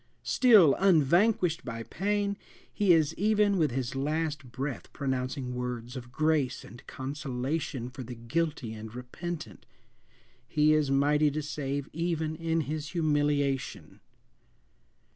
Still unvanquished by pain, he is even with his last breath pronouncing words of grace and consolation for the guilty and repentant! He is mighty to save even in his humiliation!